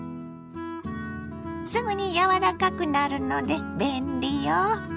すぐに柔らかくなるので便利よ。